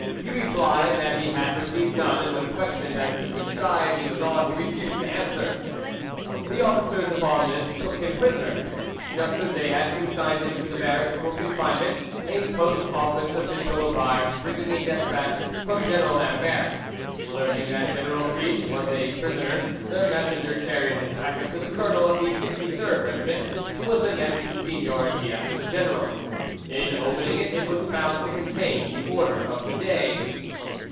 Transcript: He replied that he had received none, and when questioned as to which side he was on he refused to answer. The officers upon this took him prisoner. Just as they had consigned him to the barracks for confinement, a post office official arrived bringing a despatch from General Ambert. Learning that General Briche was a prisoner, the messenger carried his packet to the colonel of the 63rd Regiment, who was the next in seniority after the general. In opening it, it was found to contain the order of the day.